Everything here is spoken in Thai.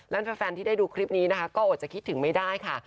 และแฟนที่ได้ดูคลิปนี้นะคะก็อดจะคิดถึงไม่ได้ค่ะ